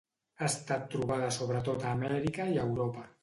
Ha estat trobada sobretot a Amèrica i Europa.